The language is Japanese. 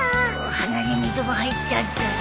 鼻に水が入っちゃったよ。